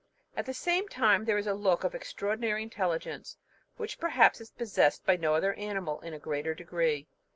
At the same time there is a look of extraordinary intelligence, which perhaps is possessed by no other animal in a greater degree.